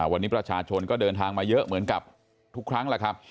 วันนี้ประชาชนก็เดินทางมาเยอะเหมือนกับทุกครั้งแหละครับ